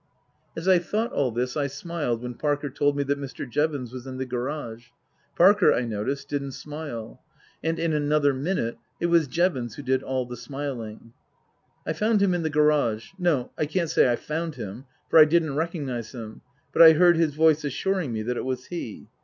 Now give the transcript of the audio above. As I thought all this I smiled when Parker told me that Mr. Jevons was in the garage. Parker, I noticed, didn't smile. And in another minute it was Jevons who did all the smiling. I found him in the garage no, I can't say I found him, for I didn't recognize him, but I heard his voice assuring me that it was he.